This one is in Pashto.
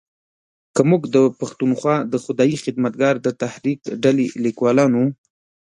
که موږ د پښتونخوا د خدایي خدمتګار د تحریک ډلې لیکوالانو